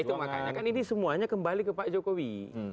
itu makanya kan ini semuanya kembali ke pak jokowi